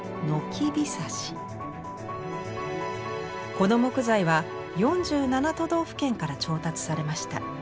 この木材は４７都道府県から調達されました。